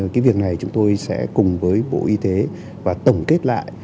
cái việc này chúng tôi sẽ cùng với bộ y tế và tổng kết lại